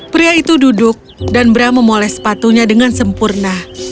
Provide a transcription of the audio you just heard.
pria itu duduk dan beramu oleh sepatunya dengan sempurna